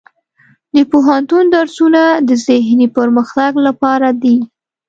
د پوهنتون درسونه د ذهني پرمختګ لپاره دي.